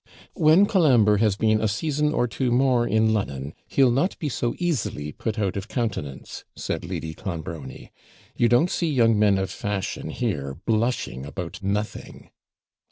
'When Colambre has been a season or two more in Lon'on, he'll not be so easily put out of countenance,' said Lady Clonbrony; 'you don't see young men of fashion here blushing about nothing.'